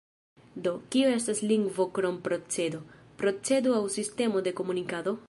Do, kio estas lingvo krom procedo, procezo aŭ sistemo de komunikado?